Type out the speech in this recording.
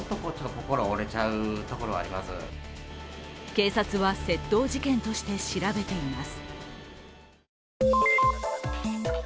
警察は窃盗事件として調べています。